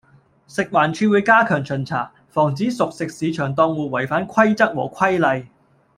食環署會加強巡查，防止熟食市場檔戶違反規則和規例